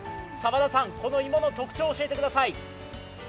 この芋の特徴を教えてください。